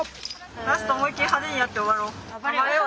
ラスト思いっきり派手にやって終わろう。